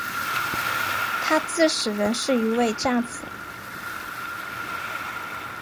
他至死仍是一位战俘。